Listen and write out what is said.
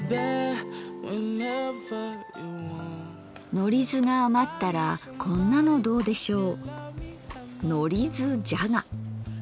のりずが余ったらこんなのどうでしょう。